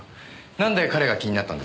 なんで彼が気になったんです？